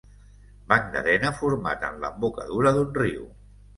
Banc d'arena format en l'embocadura d'un riu.